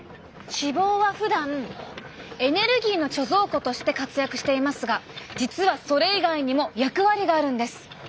脂肪はふだんエネルギーの貯蔵庫として活躍していますが実はそれ以外にも役割があるんです。